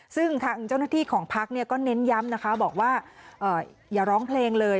ซึ่งทางเจ้าหน้าที่ของพักก็เน้นย้ำนะคะบอกว่าอย่าร้องเพลงเลย